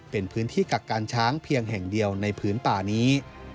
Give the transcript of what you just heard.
เป็นพื้นที่กักกันช้างเพียงแห่งเดียวในพื้นป่านี้